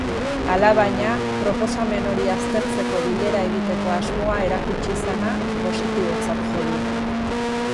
Alabaina, proposamen hori aztertzeko bilera egiteko asmoa erakutsi izana positibotzat jo du.